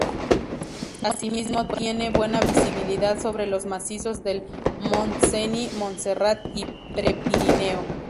Asimismo tiene buena visibilidad sobre los macizos del Montseny, Montserrat y Prepirineo.